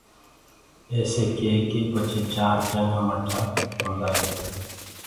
ايسي ڪي ڪي پچهي چآر چنگآ ٻٽآ هوندآ هينٚ